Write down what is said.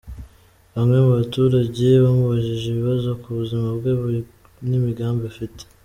Bamwe mu baturage bamubajije ibibazo ku buzima bwe n’imigambi afite.